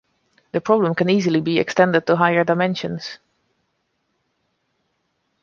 The problem can easily be extended to higher dimensions.